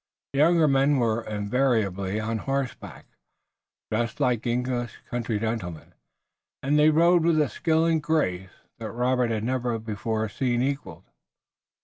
The younger men were invariably on horseback, dressed like English country gentlemen, and they rode with a skill and grace that Robert had never before seen equaled.